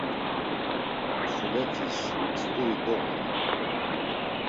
Msuletis St̆uri doğuru.